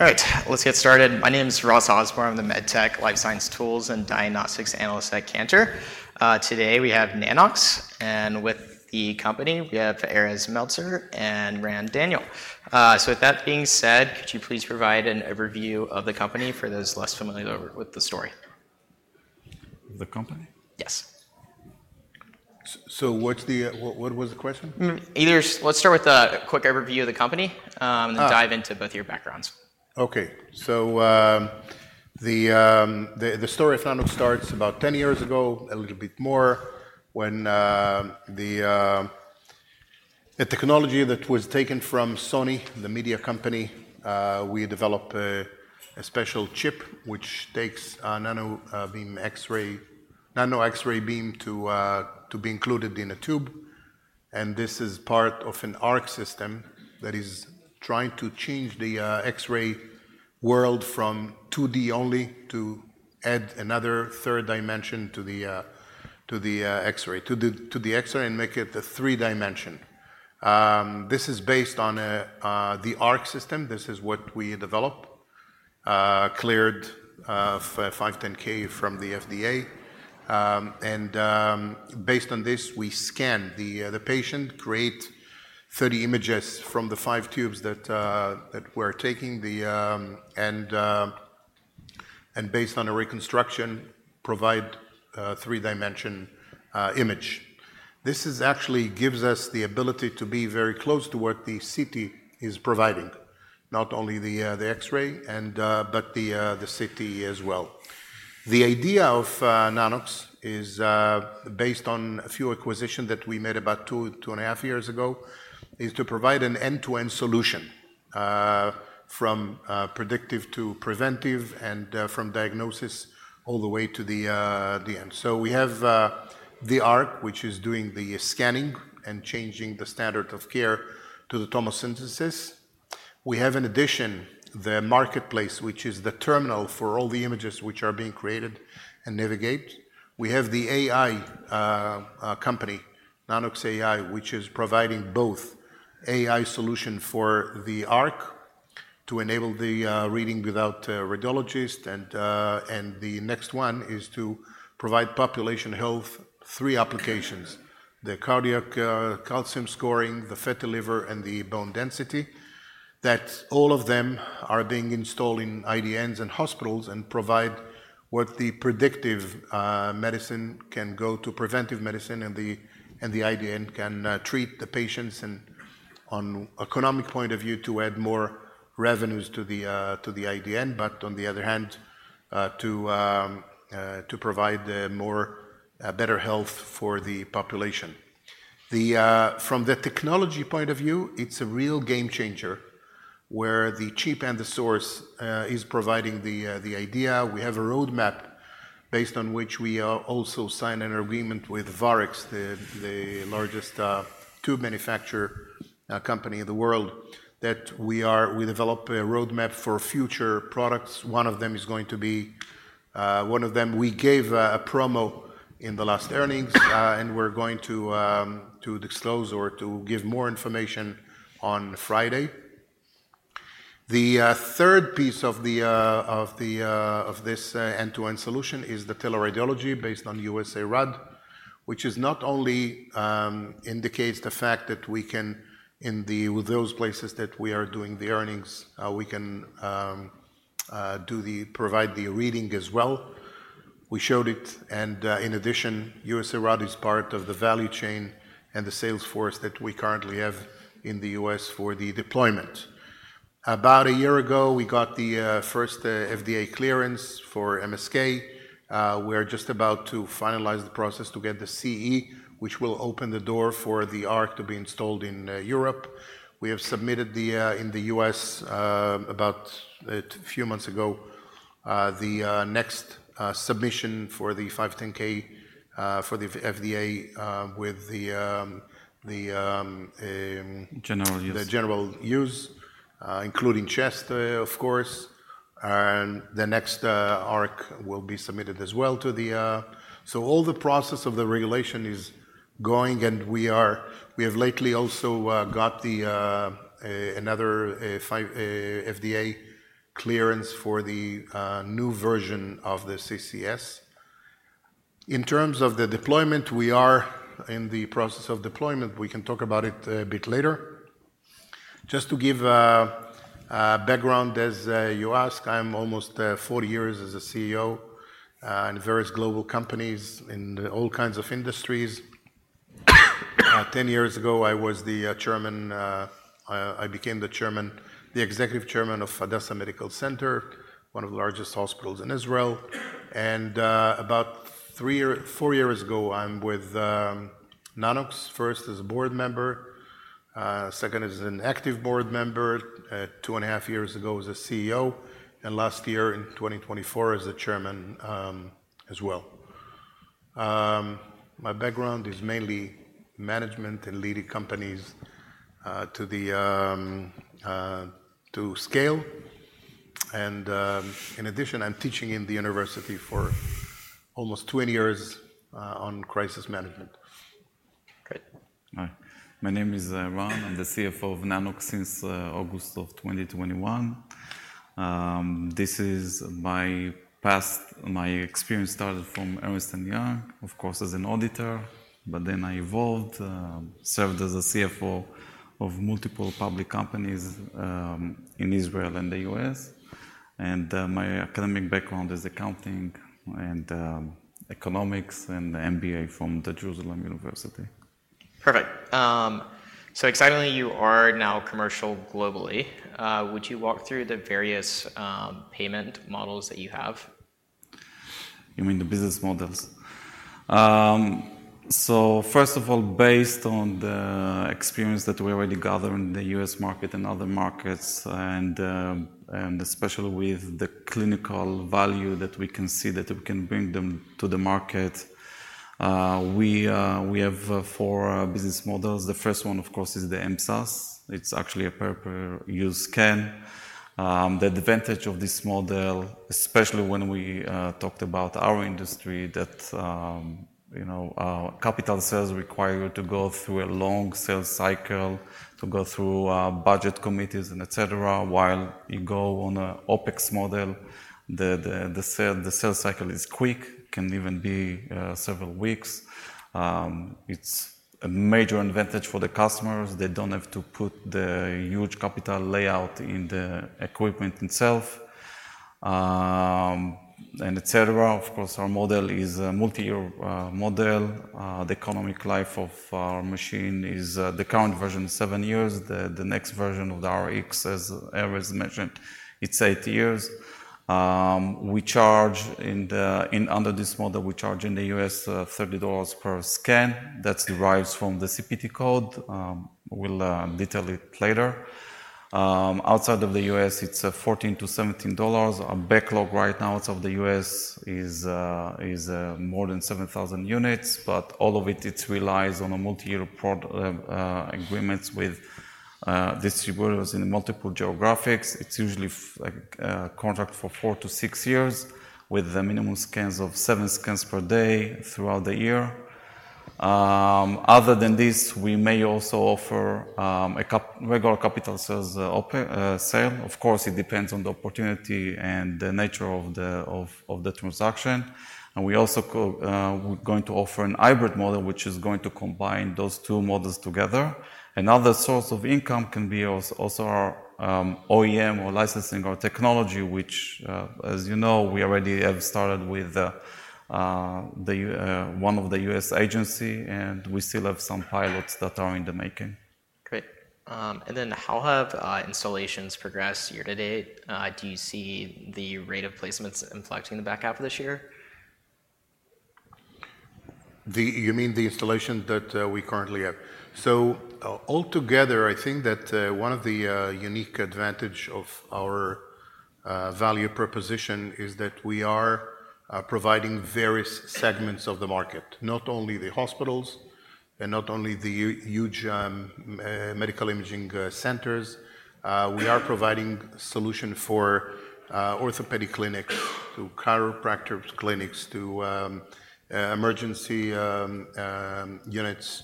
All right, let's get started. My name is Ross Osborn. I'm the MedTech Life Science Tools and Diagnostics Analyst at Cantor. Today we have Nanox, and with the company, we have Erez Meltzer and Ran Daniel. So with that being said, could you please provide an overview of the company for those less familiar with the story? The company? Yes. So what's the, what was the question? Let's start with a quick overview of the company. Ah. - and then dive into both of your backgrounds. Okay. So, the story of Nanox starts about 10 years ago, a little bit more, when a technology that was taken from Sony, the media company. We developed a special chip, which takes a nanobeam X-ray, nano X-ray beam to be included in a tube, and this is part of an ARC system that is trying to change the X-ray world from 2D only to add another third dimension to the X-ray and make it a three dimension. This is based on the ARC system. This is what we developed, cleared 510(k) from the FDA. And based on this, we scan the patient, create thirty images from the five tubes that we're taking. And based on a reconstruction, provide a three-dimension image. This actually gives us the ability to be very close to what the CT is providing, not only the X-ray and but the CT as well. The idea of Nanox is based on a few acquisition that we made about two, two and a half years ago, is to provide an end-to-end solution from predictive to preventive and from diagnosis all the way to the end. So we have the ARC, which is doing the scanning and changing the standard of care to the tomosynthesis. We have, in addition, the marketplace, which is the terminal for all the images which are being created and navigate. We have the AI company, Nanox.AI, which is providing both AI solution for the ARC to enable the reading without a radiologist, and the next one is to provide population health, three applications: the cardiac calcium scoring, the fatty liver, and the bone density. That all of them are being installed in IDNs and hospitals and provide what the predictive medicine can go to preventive medicine, and the IDN can treat the patients and on economic point of view, to add more revenues to the IDN, but on the other hand, to provide more better health for the population. From the technology point of view, it's a real game changer, where the chip and the source is providing the idea. We have a roadmap based on which we are also sign an agreement with Varex, the largest tube manufacturer company in the world, that we develop a roadmap for future products. One of them is going to be, one of them we gave a promo in the last earnings, and we're going to disclose or to give more information on Friday. The third piece of this end-to-end solution is the teleradiology based on USARAD, which not only indicates the fact that we can in those places that we are doing the scanning provide the reading as well. We showed it, and in addition, USARAD is part of the value chain and the sales force that we currently have in the US for the deployment. About a year ago, we got the first FDA clearance for MSK. We are just about to finalize the process to get the CE, which will open the door for the ARC to be installed in Europe. We have submitted in the U.S. about a few months ago the next submission for the 510(k) for the FDA with the... general use. The general use, including chest, of course, and the next ARC will be submitted as well to the. So all the process of the regulation is going, and we are. We have lately also got another five FDA clearance for the new version of the CCS. In terms of the deployment, we are in the process of deployment. We can talk about it a bit later. Just to give a background, as you ask, I'm almost forty years as a CEO in various global companies in all kinds of industries. Ten years ago, I was the chairman. I became the chairman, the Executive Chairman of Hadassah Medical Center, one of the largest hospitals in Israel. About three year, four years ago, I'm with Nanox, first as a board member, second as an active board member, two and a half years ago as a CEO, and last year in 2024 as the chairman as well. My background is mainly management and leading companies to scale, and in addition, I'm teaching in the university for almost 20 years on crisis management.... Great. Hi, my name is Ran. I'm the CFO of Nanox since August of twenty twenty-one. My experience started from Ernst & Young, of course, as an auditor, but then I evolved, served as a CFO of multiple public companies, in Israel and the US. My academic background is accounting and economics, and an MBA from the Jerusalem University. Perfect. So excitingly, you are now commercial globally. Would you walk through the various payment models that you have? You mean the business models? So first of all, based on the experience that we already gathered in the U.S. market and other markets, and especially with the clinical value that we can see, that we can bring them to the market, we have four business models. The first one, of course, is the MSaaS. It's actually a per-use scan. The advantage of this model, especially when we talked about our industry, that you know, capital sales require you to go through a long sales cycle, to go through budget committees and et cetera, while you go on a OpEx model, the sales cycle is quick, can even be several weeks. It's a major advantage for the customers. They don't have to put the huge capital outlay in the equipment itself, and et cetera. Of course, our model is a multi-year model. The economic life of our machine is the current version, seven years. The next version of the ARC X, as Erez mentioned, it's eight years. Under this model, we charge in the U.S. $30 per scan. That derives from the CPT code. We'll detail it later. Outside of the U.S., it's $14-$17. Our backlog right now outside of the U.S. is more than 7,000 units, but all of it relies on multi-year agreements with distributors in multiple geographies. It's usually like, a contract for four to six years, with the minimum scans of seven scans per day throughout the year. Other than this, we may also offer, a regular capital sales, sale. Of course, it depends on the opportunity and the nature of the, of, of the transaction. And we also, we're going to offer an hybrid model, which is going to combine those two models together. Another source of income can be also our, OEM or licensing our technology, which, as you know, we already have started with, the one of the U.S. agency, and we still have some pilots that are in the making. Great. And then how have installations progressed year to date? Do you see the rate of placements inflecting in the back half of this year? You mean the installation that we currently have? So altogether, I think that one of the unique advantage of our value proposition is that we are providing various segments of the market, not only the hospitals and not only the huge medical imaging centers. We are providing solution for orthopedic clinics, to chiropractors clinics, to emergency units,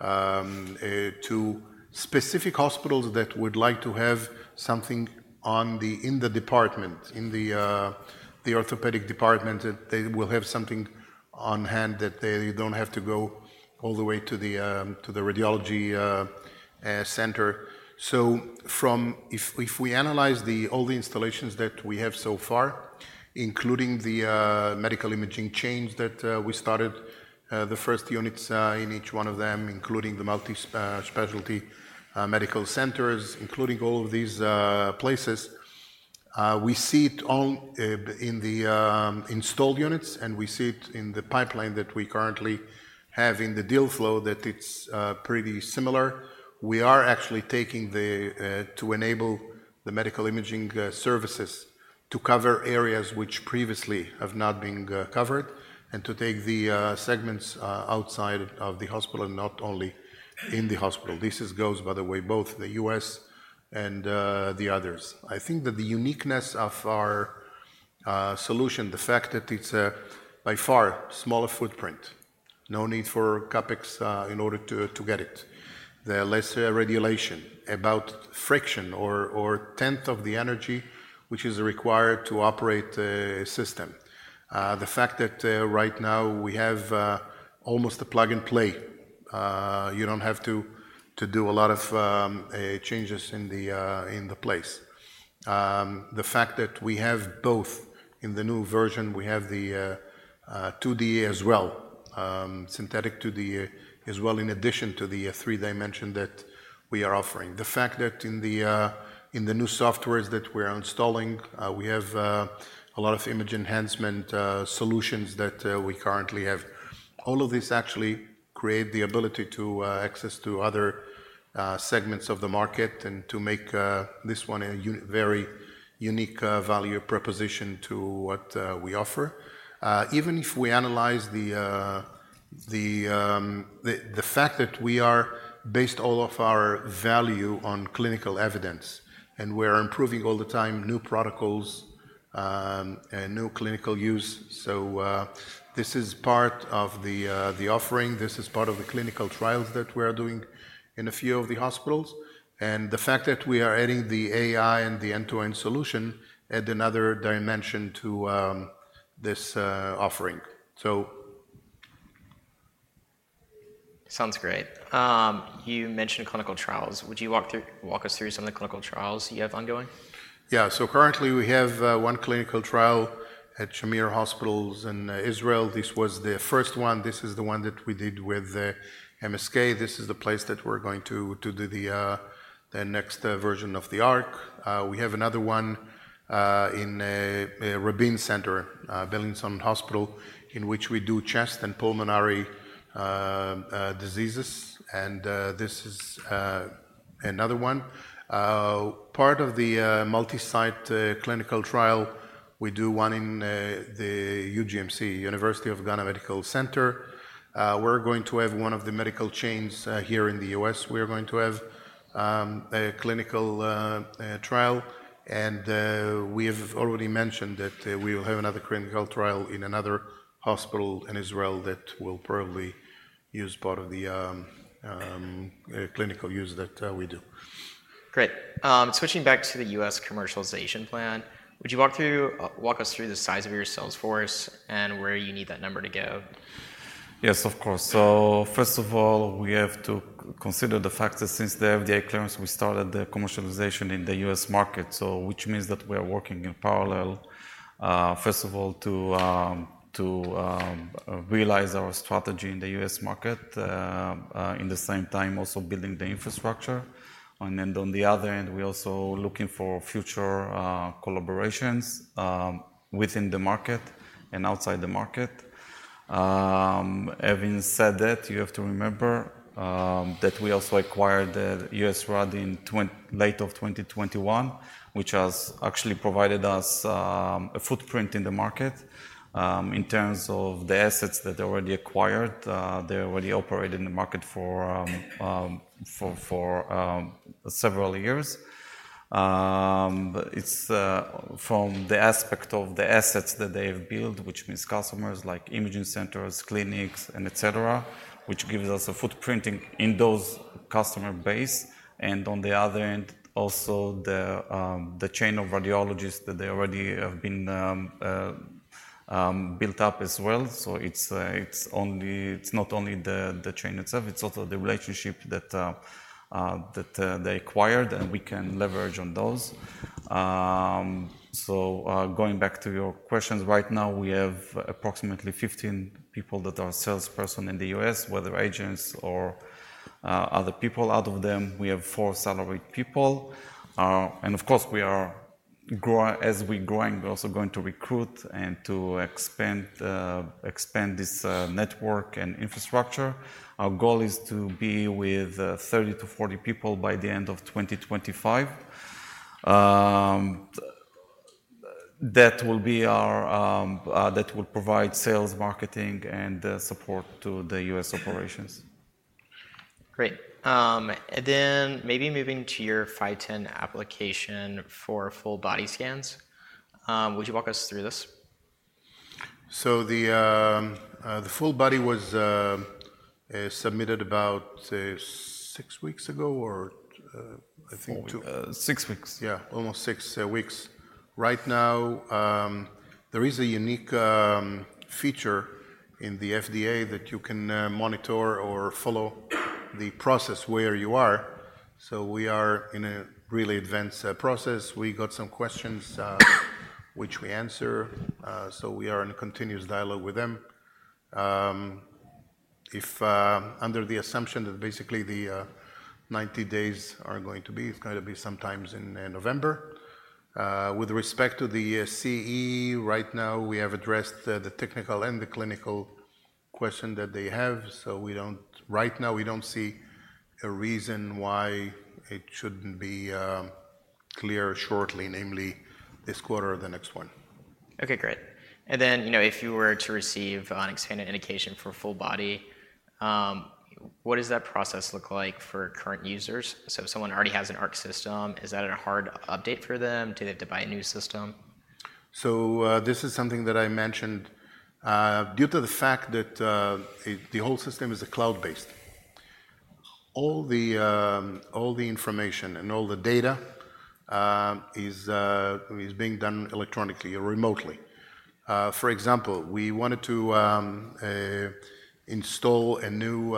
to specific hospitals that would like to have something on the in the department in the orthopedic department, that they will have something on hand, that they don't have to go all the way to the to the radiology center. So from... If we analyze all the installations that we have so far, including the medical imaging chains that we started the first units in each one of them, including the multi-specialty medical centers, including all of these places, we see it all in the installed units, and we see it in the pipeline that we currently have in the deal flow, that it's pretty similar. We are actually taking the to enable the medical imaging services to cover areas which previously have not been covered, and to take the segments outside of the hospital and not only in the hospital. This goes, by the way, both the US and the others. I think that the uniqueness of our solution, the fact that it's by far smaller footprint, no need for CapEx in order to get it. The less regulation, about friction or tenth of the energy which is required to operate a system. The fact that right now we have almost a plug-and-play, you don't have to do a lot of changes in the place. The fact that we have both in the new version, we have the 2D as well, synthetic 2D as well, in addition to the three dimension that we are offering. The fact that in the new softwares that we're installing, we have a lot of image enhancement solutions that we currently have. All of these actually create the ability to access to other segments of the market and to make this one a very unique value proposition to what we offer. Even if we analyze the fact that we are based all of our value on clinical evidence, and we are improving all the time, new protocols and new clinical use. So this is part of the offering, this is part of the clinical trials that we are doing in a few of the hospitals. And the fact that we are adding the AI and the end-to-end solution add another dimension to this offering. So- Sounds great. You mentioned clinical trials. Would you walk us through some of the clinical trials you have ongoing? Yeah. So currently, we have one clinical trial at Shamir Medical Center in Israel. This was the first one. This is the one that we did with MSK. This is the place that we're going to do the next version of the ARC. We have another one in Rabin Medical Center, Beilinson Hospital, in which we do chest and pulmonary diseases, and this is another one. Part of the multi-site clinical trial, we do one in the UGMC, University of Ghana Medical Centre. We're going to have one of the medical chains here in the US. We are going to have a clinical trial, and we have already mentioned that we will have another clinical trial in another hospital in Israel that will probably use part of the clinical use that we do. Great. Switching back to the U.S. commercialization plan, would you walk us through the size of your sales force and where you need that number to go? Yes, of course. So first of all, we have to consider the fact that since the FDA clearance, we started the commercialization in the US market, so which means that we are working in parallel, first of all, to realize our strategy in the US market, in the same time, also building the infrastructure. And then on the other end, we're also looking for future collaborations, within the market and outside the market. Having said that, you have to remember that we also acquired the USARAD in late 2021, which has actually provided us a footprint in the market. In terms of the assets that they already acquired, they already operated in the market for several years. It's from the aspect of the assets that they have built, which means customers like imaging centers, clinics, and et cetera, which gives us a footprint in those customer base. And on the other end, also, the chain of radiologists that they already have been built up as well. So it's not only the chain itself, it's also the relationship that they acquired, and we can leverage on those. So going back to your questions, right now, we have approximately 15 people that are salesperson in the US, whether agents or other people. Out of them, we have 4 salaried people. And of course, as we're growing, we're also going to recruit and to expand this network and infrastructure. Our goal is to be with 30 to 40 people by the end of 2025. That will provide sales, marketing, and support to the U.S. operations. Great. And then maybe moving to your FDA 510(k) application for full body scans, would you walk us through this? So the full body was submitted about six weeks ago, or I think- Six weeks. Yeah, almost six weeks. Right now, there is a unique feature in the FDA that you can monitor or follow the process where you are. So we are in a really advanced process. We got some questions, which we answer, so we are in a continuous dialogue with them. If under the assumption that basically the 90 days are going to be, it's going to be sometimes in November. With respect to the CE, right now, we have addressed the technical and the clinical question that they have, so we don't right now see a reason why it shouldn't be clear shortly, namely this quarter or the next one. Okay, great. And then, you know, if you were to receive an expanded indication for full body, what does that process look like for current users? So if someone already has an ARC system, is that a hard update for them? Do they have to buy a new system? This is something that I mentioned. Due to the fact that the whole system is cloud-based, all the information and all the data is being done electronically or remotely. For example, we wanted to install a new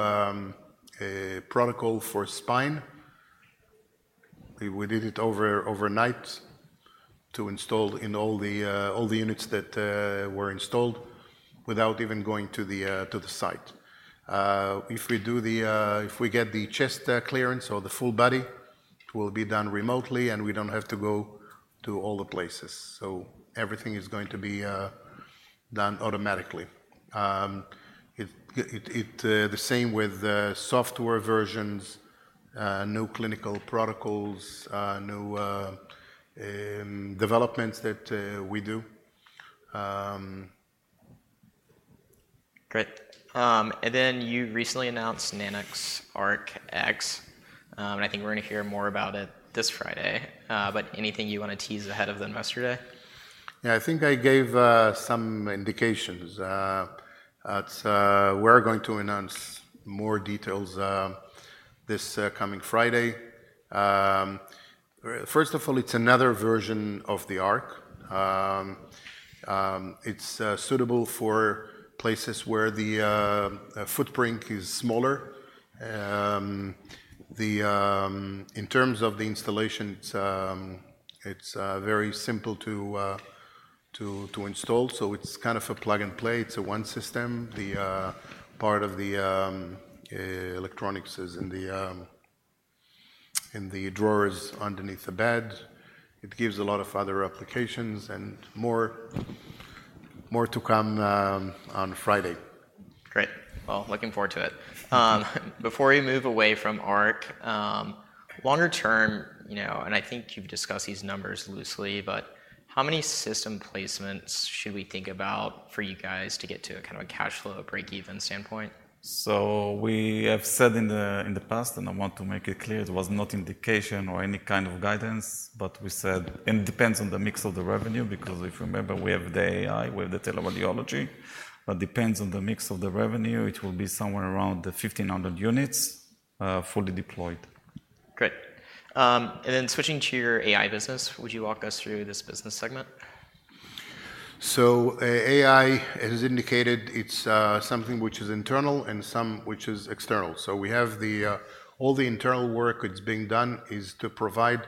protocol for spine. We did it overnight to install in all the units that were installed without even going to the site. If we get the chest clearance or the full body, it will be done remotely, and we don't have to go to all the places. Everything is going to be done automatically. It's the same with software versions, new clinical protocols, new developments that we do. Um- ... Great. And then you recently announced Nanox.ARC X, and I think we're gonna hear more about it this Friday. But anything you want to tease ahead of the Investor Day? Yeah, I think I gave some indications. That's, we're going to announce more details this coming Friday. First of all, it's another version of the ARC. It's suitable for places where the footprint is smaller. In terms of the installation, it's very simple to install, so it's kind of a plug-and-play. It's a one system. The part of the electronics is in the drawers underneath the bed. It gives a lot of other applications and more to come on Friday. Great. Well, looking forward to it. Before we move away from ARC, longer term, you know, and I think you've discussed these numbers loosely, but how many system placements should we think about for you guys to get to a kind of a cash flow breakeven standpoint? So we have said in the past, and I want to make it clear, it was not indication or any kind of guidance, but we said, it depends on the mix of the revenue, because if you remember, we have the AI, we have the teleradiology. But depends on the mix of the revenue, it will be somewhere around the 1,500 units, fully deployed. Great, and then switching to your AI business, would you walk us through this business segment? AI, as indicated, it's something which is internal and some which is external. We have all the internal work that's being done is to provide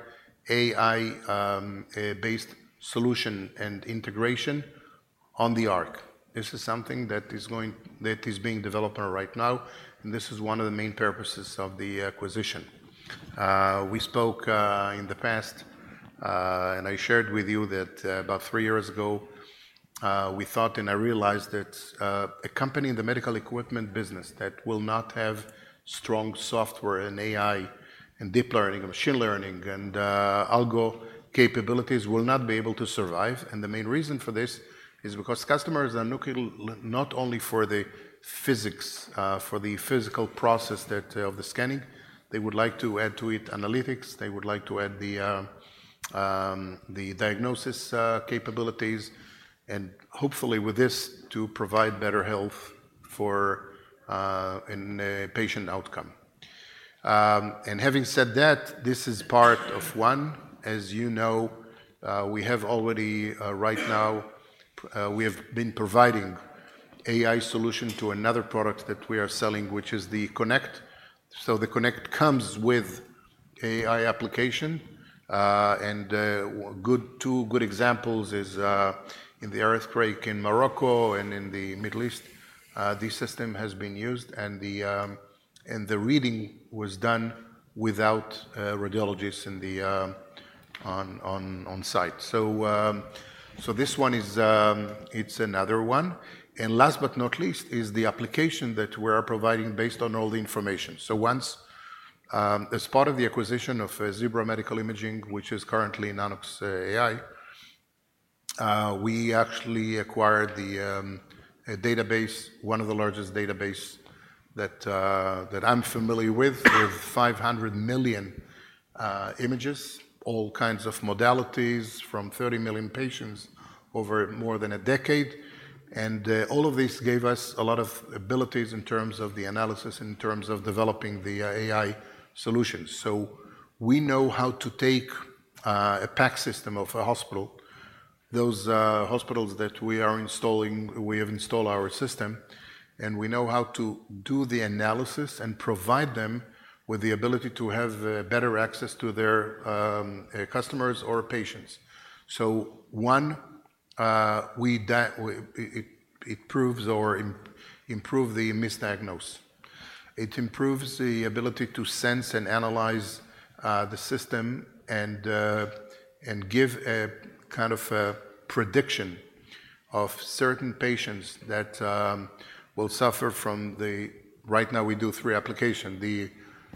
AI-based solution and integration on the ARC. This is something that is being developed right now, and this is one of the main purposes of the acquisition. We spoke in the past, and I shared with you that about three years ago we thought, and I realized that a company in the medical equipment business that will not have strong software and AI, and deep learning, and machine learning, and algo capabilities will not be able to survive. The main reason for this is because customers are looking not only for the physics for the physical process that of the scanning. They would like to add to it analytics, they would like to add the, the diagnosis, capabilities, and hopefully with this, to provide better health for, in a patient outcome. And having said that, this is part of one. As you know, we have already, right now, we have been providing AI solution to another product that we are selling, which is the Connect. So the Connect comes with AI application, and two good examples is, in the earthquake in Morocco and in the Middle East, this system has been used, and the reading was done without, radiologists in the, on site. So this one is, it's another one. And last but not least, is the application that we are providing based on all the information. So once, as part of the acquisition of Zebra Medical Imaging, which is currently Nanox.AI, we actually acquired the database, one of the largest database that I'm familiar with, with 500 million images, all kinds of modalities from 30 million patients over more than a decade. All of this gave us a lot of abilities in terms of the analysis, in terms of developing the AI solutions. We know how to take a PACS of a hospital, those hospitals that we are installing, we have installed our system, and we know how to do the analysis and provide them with the ability to have better access to their customers or patients. One, it proves or improves the misdiagnosis. It improves the ability to sense and analyze the system and give a kind of a prediction of certain patients that will suffer from the... Right now, we do three application: the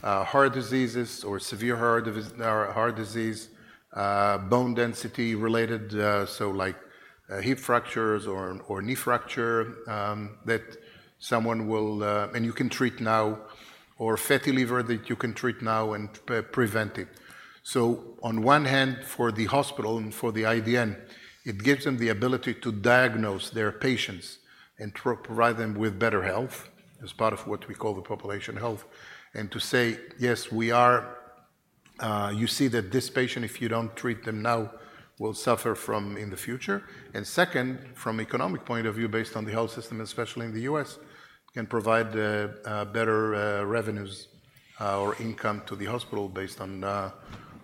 heart diseases or severe heart disease, bone density related, so like hip fractures or knee fracture that someone will and you can treat now, or fatty liver that you can treat now and prevent it. So on one hand, for the hospital and for the IDN, it gives them the ability to diagnose their patients and provide them with better health as part of what we call the population health, and to say, "Yes, we are, you see that this patient, if you don't treat them now, will suffer from in the future." And second, from economic point of view, based on the health system, especially in the U.S., can provide better revenues or income to the hospital based on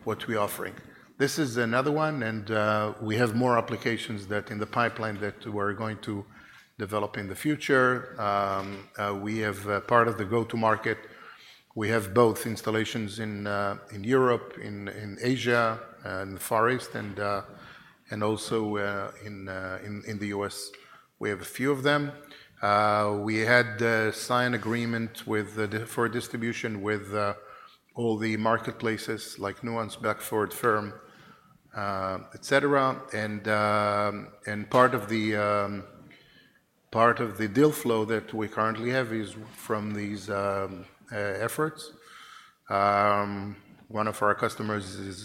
what we are offering. This is another one, and we have more applications that in the pipeline that we're going to develop in the future. We have part of the go-to-market. We have both installations in Europe, in Asia, and the Far East, and also in the US. We have a few of them. We had signed agreement for distribution with all the marketplaces, like Nuance, Blackford, Ferrum, et cetera. And part of the deal flow that we currently have is from these efforts. One of our customers is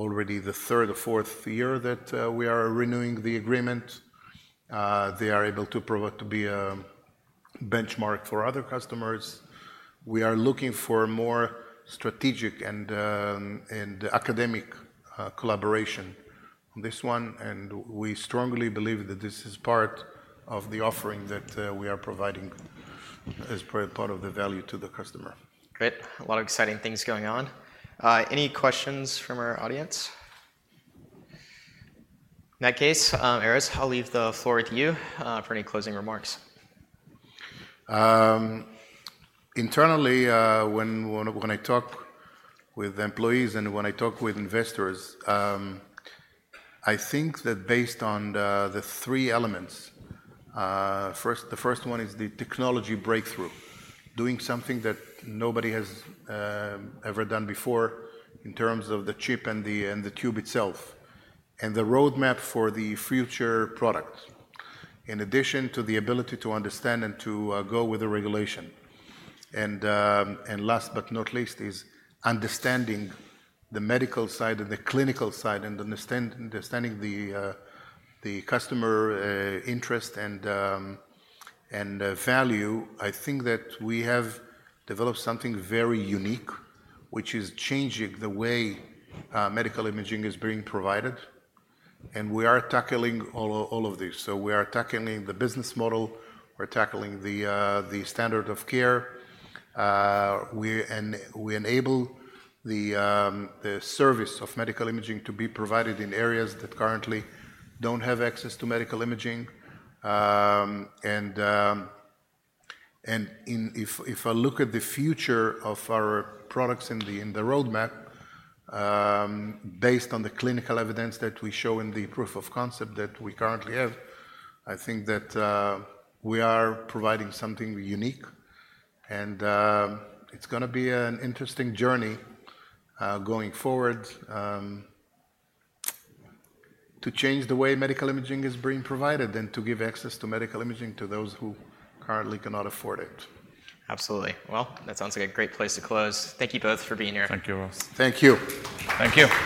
already the third or fourth year that we are renewing the agreement. They are able to provide, to be a benchmark for other customers. We are looking for more strategic and academic collaboration on this one, and we strongly believe that this is part of the offering that we are providing as part of the value to the customer. Great. A lot of exciting things going on. Any questions from our audience? In that case, Erez, I'll leave the floor to you, for any closing remarks. Internally, when I talk with employees and when I talk with investors, I think that based on the three elements, first, the first one is the technology breakthrough, doing something that nobody has ever done before in terms of the chip and the tube itself, and the roadmap for the future product, in addition to the ability to understand and to go with the regulation, and last but not least, is understanding the medical side and the clinical side, and understanding the customer interest and value. I think that we have developed something very unique, which is changing the way medical imaging is being provided, and we are tackling all of this, so we are tackling the business model, we're tackling the standard of care. We enable the service of medical imaging to be provided in areas that currently don't have access to medical imaging. If I look at the future of our products in the roadmap, based on the clinical evidence that we show in the proof of concept that we currently have, I think that we are providing something unique, and it's going to be an interesting journey going forward to change the way medical imaging is being provided and to give access to medical imaging to those who currently cannot afford it. Absolutely. Well, that sounds like a great place to close. Thank you both for being here. Thank you, Ross. Thank you. Thank you!